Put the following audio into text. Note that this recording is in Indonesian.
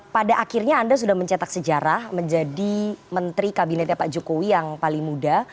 pada akhirnya anda sudah mencetak sejarah menjadi menteri kabinetnya pak jokowi yang paling muda